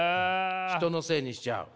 人のせいにしちゃう？